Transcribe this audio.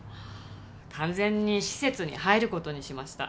完全に施設に入ることにしました。